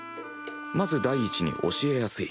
まず第１に教えやすい。